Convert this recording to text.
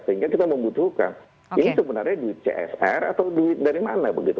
sehingga kita membutuhkan ini sebenarnya duit csr atau duit dari mana begitu